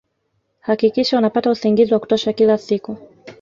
Hakikisha unapata usingizi wa kutosha kila siku